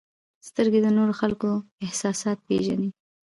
• سترګې د نورو خلکو احساسات پېژني.